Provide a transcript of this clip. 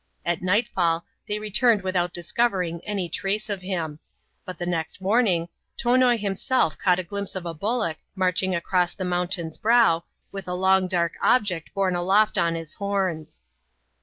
At nightfall, they returned without discovering any trace of him ; but the next morning, Tonoi himself caught a glimpse of a bullock, marching across the mountain's brow, with a long dark object borne aloft on hi» horns.